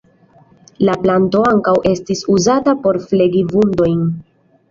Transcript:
La planto ankaŭ estis uzata por flegi vundojn.